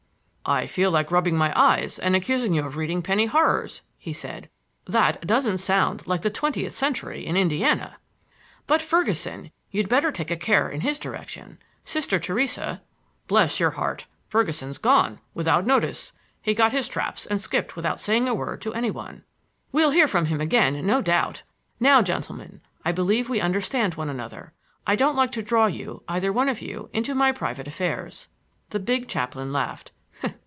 "I feel like rubbing my eyes and accusing you of reading penny horrors," he said. "That doesn't sound like the twentieth century in Indiana." "But Ferguson,—you'd better have a care in his direction. Sister Theresa—" "Bless your heart! Ferguson's gone—without notice. He got his traps and skipped without saying a word to any one." "We'll hear from him again, no doubt. Now, gentlemen, I believe we understand one another. I don't like to draw you, either one of you, into my private affairs—" The big chaplain laughed.